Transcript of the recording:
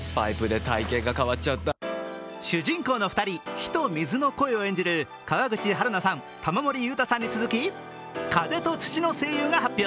主人公の２人火と水の声を演じる川口春奈さん、玉森裕太さんに続き風と土の声優が発表。